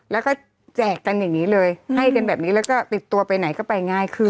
แล้วก็แจกกันอย่างนี้เลยให้กันแบบนี้แล้วก็ติดตัวไปไหนก็ไปง่ายขึ้น